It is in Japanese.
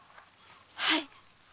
はい。